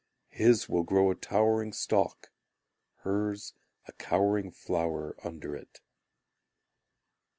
His will grow a towering stalk, Hers, a cowering flower under it.